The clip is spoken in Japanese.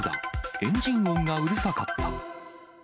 エンジン音がうるさかった。